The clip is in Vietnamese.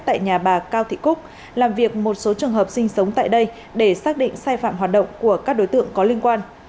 tại nhà bà cao thị cúc làm việc một số trường hợp sinh sống tại đây để xác định sai phạm hoạt động của các đối tượng có liên quan